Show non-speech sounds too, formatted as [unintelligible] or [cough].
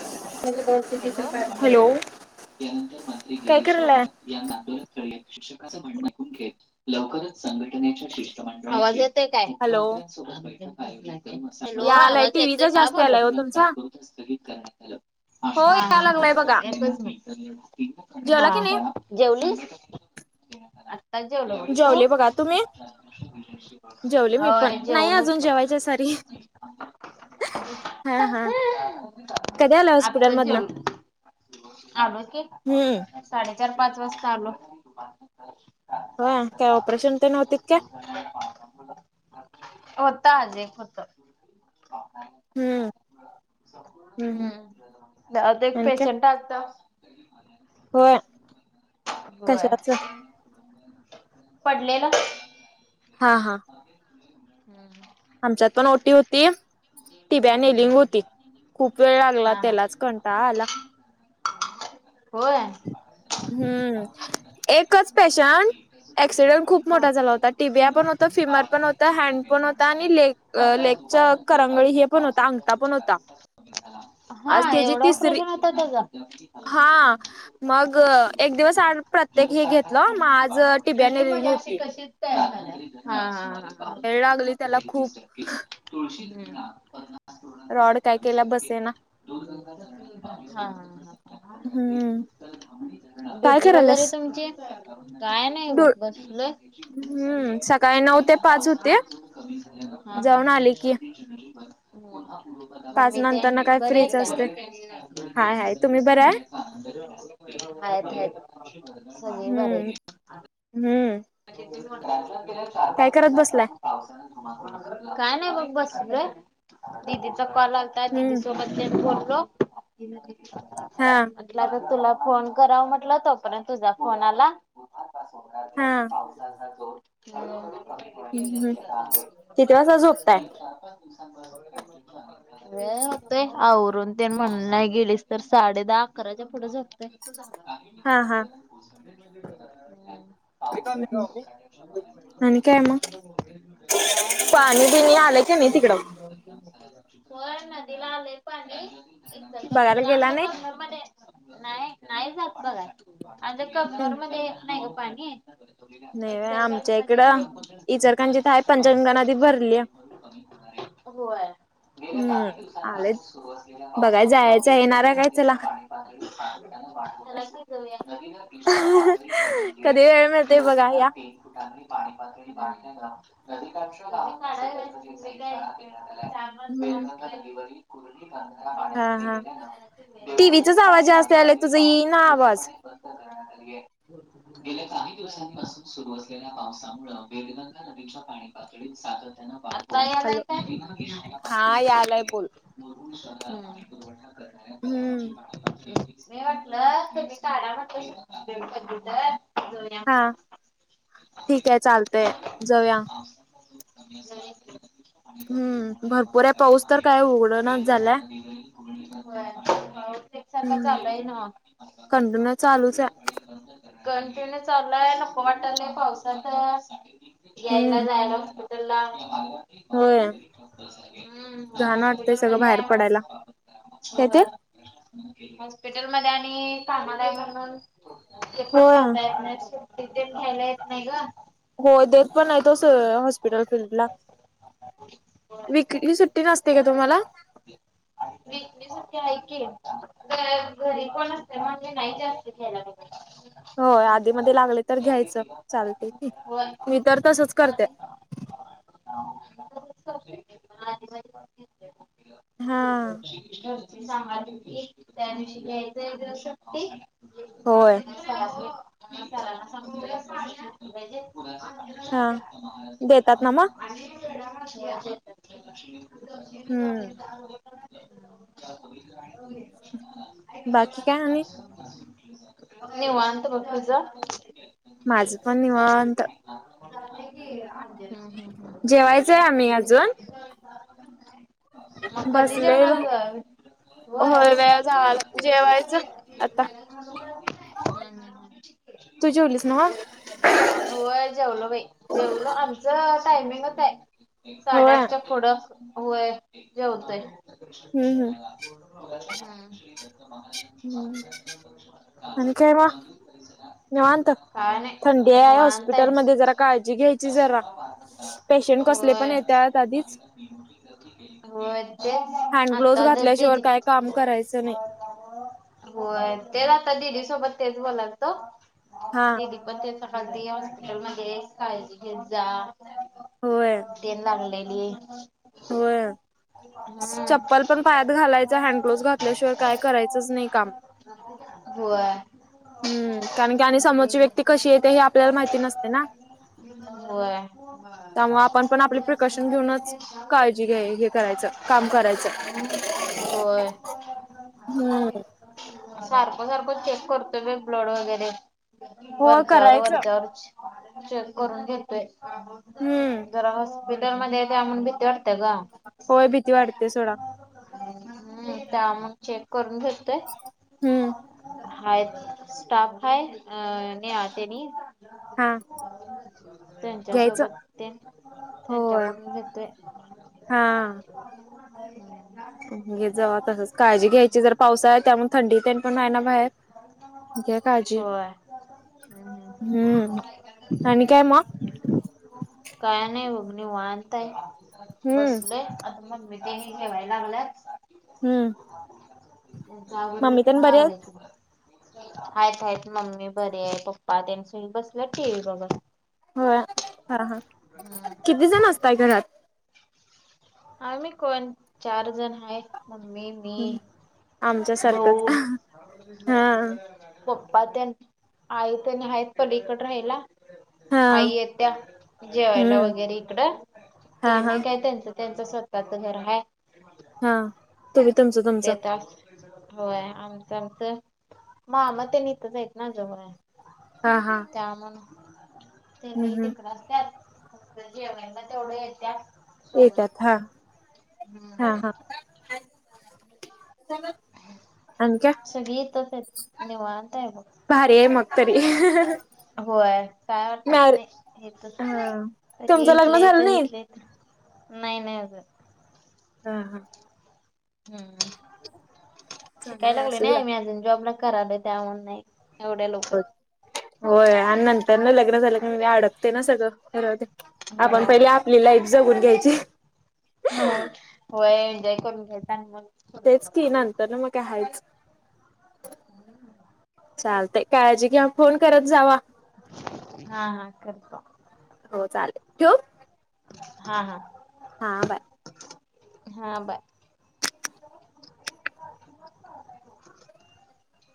एक हॅलो ठवलं त्यानंतर मंत्री काय गिरीश करायलाय? महाजन यांना आंदोलन केले शिक्षकाचं म्हणणंऐ घे लवकरच संघटनेच्या शिष्टमंडळळा हॅलो लो या आलाय आवाज येतय टीव्हीचा का जास्त बोला आलाय हो तुमचा हा हो या लागलाय बघा ह हच म जेवला की नाही हा जेवलस ते जेवलं तू जेवले बघा तुम्ही जेवले हो मी पण नाही जेवनच अजून बघ जेवायचे सॉरी हा हा कधी आला आत्ता हॉस्पिटल मधन जरूर आडोक हम्म चार पाच वाजता आलो हा काय ऑपरेशन पण होती का होता आज एक होत हम्म हम्म अदग आणि काय पेशंट आगता होय होय कशाच पडलेला हा हा हम् आमच्यात पण ओटी होती टिब्या निलिंग होती खूप वेळ लागला हा हा. त्यालाच कंटाळा आला हो हम्म एकच पेशंट ऍक्सिडेंट खूप मोठा झाला होता टीबीया पण होता फिमर पण होत हँड पण हो मात्र आ दुपारंत तालक्यात हे पण होता पावसाचा अंगठा पण होता आज त्याची एवढं तिसरी ऑपरेशन होता त्याझ हा मग एक दिवस आड प्रत्येक हे घेतलं मग आज टिब्याने म रिंग अशी होती कशी तयार झा त वेळ पूण लागली त्याला खूप रॉड काय सत्तावीस केला टक्े बसे ना हम्म काय डीवटि करायलास वगेरे तुमची काय नाय डो बग बसलोय अ हम्म सकाळी नऊ ते हा पाच पावसाळा होते कमी झालाय जाऊन आले की बग हंहं पाच मम्मी नंतर ना ते काय बरे आहे फ्रीच का असते हाय हाय तुम्ही बरं आहे हाते सगळे हम्म बरेत हम्म म्ह गेल्या चार पाच काय करत दिवसांचा बसलाय पाऊस काय नाही बग बसलोयदीदीचा कोल आलता हम्म दीदीस़ोबतयेकघोट हॅलो हा हा म्हटलं तुला फोन कराव म्हटल तोपर्यंत तुझा फोन आला हा पावसाचा जो र हळु हळु कमी हम्म होत आहे किती वाजता झोपताय? वे होतय आवरून ते म्हण नाही गेलीस तर साडे दहा अकराच्या पुढे जोपतय हा हा हम्म आणि काय मग काय नाय भाऊ पाणी बसले बिणी तुमचं आलं की कसं नाही काय तिकडं? चालुय होय नदीला आलेय पाणी बघायला एकदा गेला आमच्या नाही? कनमध्येध्ये नाही नाही जात बघा अ कर मध्ये एक नाही ग पाणी नाही बाई ईतल करंजी आमच्या मधी येतय इकडं इचलकरंजीत हाय पंचगंगा नदी भरलीया. होय गेल्या हम्म काही आले दिवसांपासून सुरु असलेल्यातत बघाय पावसामु जायचं येणार आहे वेदगंगा काय चला? नदीच्या पाणी पातळी नवीन पशा पातळी कधी वेळ मिळतोय बघा या. दिवसभरात ते फुटाकली पाणी पातळी नदीकाठचा काय काय मी काढायला काय झालं हम्म िवसायलेंट शेतीवाडी कॉलेज काय हा पाण्या हा गेल्या तेव ह टीव्हीचाच आवाज पाणी जास्त यायलाय मार्गावरील तुझा येईना वाहतूक आवाज. पूर्णपणे बंद गेले नाही दिवसांपासून सुरू असलेल्या पावसामुळे वेरगंगा नदीच्या पाणी पातळीत सातत्यानं वाढ पाणी आलं हॅलो काय हा यालाय बोल. वरून शहराला पाणीपुरवठा करनारयतलावाची हम्म मासमारीआसी मी म्हटलं तु्ही काला म्हटलं कम्प्युटर जाऊ नये म्हटलं हा ठीक आहे चालतय जाऊया ह हम्म भरपूर आहे पाऊस तर काय जावुयाकि उघडणाच होय हकन चालुचय कंटिन्यू चाललाय नकं वाटालय पावसात यायला हम्म जायला हॉस्पिटल लाबय हं होय घाण वाटतंय सगळं हॉस्पिटलमध्ये बाहेर हाय मन पडायला काय शुग ते हॉस्पिटल मध्ये आणि कामाला आहे म्हणून हे पण होय करता येत नाही ग सुट्टी पण देत नाही हो देत पण नाही तोच हॉस्पिटल फीलल्ड ला विकली सुट्टी नसते का तुम्हाला विकली सुट्टी आहे की पण कोणाचं घर नसल्यामुळे मी नाही जास्त घ्यायला मागत हो आधीमध्ये लागले तर घ्यायचं चालत यकी होय मीतर तसंच करतय आधी तसंच करते ते मला आधी माहित नव्हतं हा सांगाी त्या दिवशी घ्यायचंग सुट्टी होय मीसरासनि सराना सांगू न सुट्टी घेतली पाहिजे हा अकरा देतात ना वाजले मग आणि वेडा घालते हम्म [unintelligible] बाकी काय आणि निवांत बघ तुज माझं पण निवांत हं हं जेवायचंय आम्ही मग अजून कधी जेवणार आहे ग हो होय. वेळ झा हम्म जेवायचं आता हम् तू जेवलीस नव्ह हम व्हय जेवलो बाई जेवलो आमचं टायमिंग आहे होय साडेआठच्या पुढं व्हय जेवतय हम्म हम्म हम हम्म आणि काय मग निवांत काय थंडी नाही आहे निवांत हाय हॉस्पिटलमध्ये जरा काळजी घ्यायची जरा पेशंट कसले पण होय येतात आधीच होय ते हँड ग्लोव्हज आता घातल्याशिवाय काय काम [unintelligible] होय तेच आता दिदी सोबत तेच बोलालतो हा दिदी पण ते हॉस्पिटल मध्ये आहे काळजी घेत जा होय तेन लागलय [unintelligible] होय चप्पल पण पायात घालायचं हँड ग्लोज घातल्याशिवाय काय करायचंच नाही काम होय हम्म कारण की समोरची आणि व्यक्ती कशी येते हे आपल्याला माहिती नसते ना होय त्यामुळे आपण पण आपली प्रिकॉशन घेऊनच काळजी घ्याय हे करायचं काम करायचं हम्म होय हम्म सारखं सारखं चेक करतो मी ब्लड वगैरे हो वरच्यावर करायचं वरच्यावर चेक करून घेतोय हम्म जरा हॉस्पिटल मध्ये हाय त्यामुळ भिती वाटते ग होय भीती वाटते सोडा. हम्म त्या मग चेक करून घेतोय हम्म हाय स्टाफ हाय अ नेहा त्यानी हा त्यांच्या घ्यायचं सोबत ते होय त्यांच्याकडून घेतोय हा हम घे जाव तसच काळजी घ्यायची जर पावसाळा आहे त्यामुळे थंडीतेन पण आहे ना बाहेर घ्या काळजी होय. हम्म आणि काय मग काय नाय बघ निवांत हाय हम्म बसलोय आता मम्मीतेनी जेवाय लागल्यात हम्म. त्यांच आवरलं मम्मी कि तेन मग बरी आहेत आवरायचं आहेत आहेत मम्मी बरे आहे पप्पा त्यांच्या बसल्यात टिव्ही बघत होय हा हा हम्म किती जण असतय घरात आम्ही कोण चार जण आहे मम्मी मी आमच्या सारखंच भाऊ हा प प्पा त्येन आईतेन आहेत पलीकड राहायला हा आई येत्या जेवायला हम्म वगैरे इकडं हा तेने हा काय त्यांचं त्यांच स्वतःच घर आहे हा तुम्ही तुमच तुमच होय आमचं आमचं मामा ते हितच आहेत ना जवळ हा हा त्या मुळ हम्म त्यांनी हम्म तिक असतत फ जेवायना तेवढ्या येत्या [inaudible] येतात हा हम्म हा हा आणि काय सगळी येतच आहेत निवांत आहे बघ. भारी आहे मग तरी होय काय वाटतात मॅर नाहीेतच हा तुमचं लग्न इेतले झालं तर नाही? घेतले तर नाही नाही आज हा हा हम्म चांगलं शिकायला आहे लागले असू ना द्या. मी अजून जाँब नाही करत त्यामुळे नाही एवढ्या लवकर हो होय आणि नंतर ना लग्न झालं की अडकते ना सगळं आपण होय पहिले आपली लाईफ जगून घ्यायची हो वय एनजॉय करून घ्यायचा आणि मग करतो तेच मग की ते. नंतर ना मग काय हायच चालते काळजी की घ्या फोन करत जावा हा हा करत को [inaudible] हा हा हा बर हा बाय [inaudible]